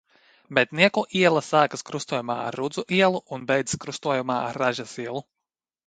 Mednieku iela sākas krustojumā ar Rudzu ielu un beidzas krustojumā ar Ražas ielu.